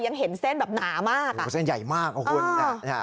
ยังเห็นเส้นแบบหนามากเส้นใหญ่มากของคุณอ่า